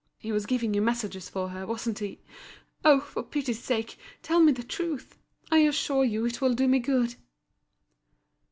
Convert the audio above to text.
He was giving you messages for her, wasn't he? Oh! for pity's sake, tell me the truth; I assure you it will do me good."